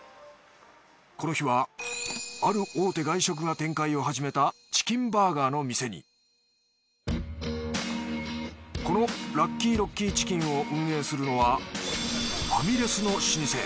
この日はある大手外食が展開を始めたチキンバーガーの店にこのラッキーロッキーチキンを運営するのはファミレスの老舗